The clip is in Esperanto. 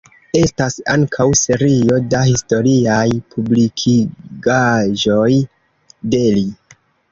Estas ankaŭ serio da historiaj publikigaĵoj de li.